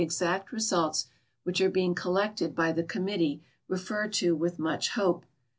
xact results which are being collected by the committee referred to with much hope.